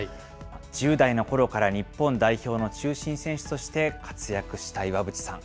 １０代のころから日本代表の中心選手として活躍した岩渕さん。